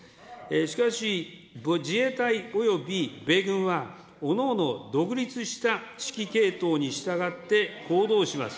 しかし、自衛隊および米軍は、おのおの独立した指揮系統に従って行動します。